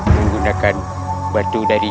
menggunakan batu dari